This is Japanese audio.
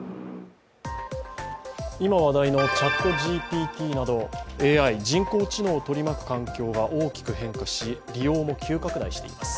今話題のＣｈａｔＧＰＴなど、ＡＩ＝人工知能を取り巻く環境が大きく変化し、利用も急拡大しています。